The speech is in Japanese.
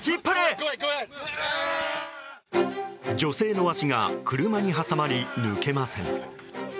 女性の足が車に挟まり抜けません。